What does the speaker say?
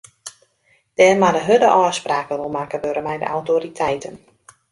Dêr moatte hurde ôfspraken oer makke wurde mei de autoriteiten.